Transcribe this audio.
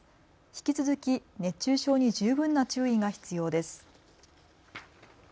引き続き熱中症に十分な注意が必要です。